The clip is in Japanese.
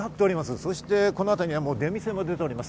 そしてこの辺りには出店も出ております。